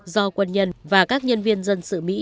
do quân nhân và các nhân viên dân sự mỹ